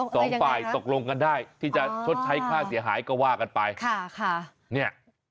สองฝ่ายตกลงกันได้ที่จะชดใช้ค่าเสียหายก็ว่ากันไป